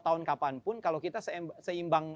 tahun kapanpun kalau kita seimbang